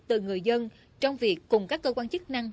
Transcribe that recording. từ người dân trong việc cùng các cơ quan chức năng